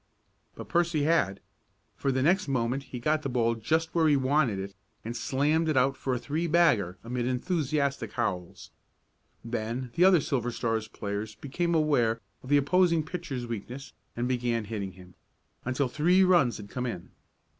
But Percy had, for the next moment he got the ball just where he wanted it, and slammed it out for a three bagger amid enthusiastic howls. Then the other Silver Star players became aware of the opposing pitcher's weakness and began hitting him, until three runs had come in.